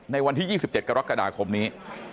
วันที่๒๗กรกฎาคมนี้